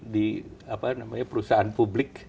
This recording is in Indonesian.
di perusahaan publik